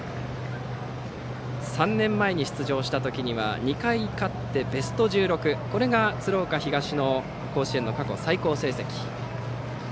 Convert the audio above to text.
３年前に出場した時には２回勝ってベスト１６が鶴岡東の甲子園の過去最高成績。